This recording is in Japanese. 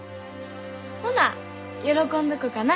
ほな喜んどこかな。